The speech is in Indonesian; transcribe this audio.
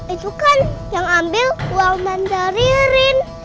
itu kan yang ambil uangnya dari rin